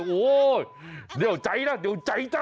โอ้โหเดี่ยวใจนะเดี๋ยวใจจ้ะ